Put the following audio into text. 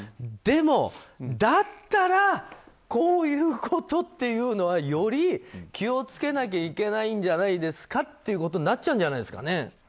でも、だったらこういうことっていうのはより気をつけなきゃいけないんじゃないですかってことになっちゃうんじゃないですかね。